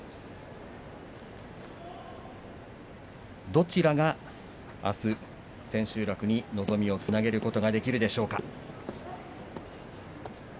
どちらが、あす千秋楽に望みをつなげることができるでしょうか。